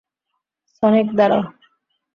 Sonic, দাঁড়াও।